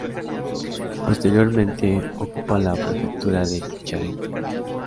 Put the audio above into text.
Posteriormente, ocupa la prefectura de Charente.